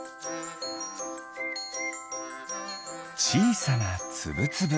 ちいさなつぶつぶ。